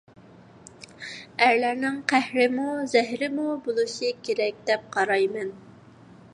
«ئەرلەرنىڭ قەھرىمۇ، زەھىرىمۇ بولۇشى كېرەك» دەپ قارايمەن.